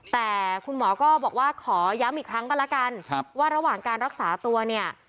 แต่คุณหมอก็บอกว่าขอย้ำอีกครั้งก็แล้วกันว่าระหว่างการรักษาตัวเนี่ย